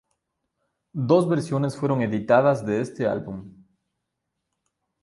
Dos versiones fueron editadas de este álbum.